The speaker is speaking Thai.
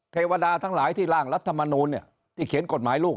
เทวดาทั้งหลายที่ร่างรัฐมนูลที่เขียนกฎหมายลูก